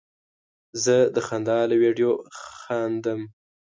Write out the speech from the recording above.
زه د خندا له ویډیو خندم.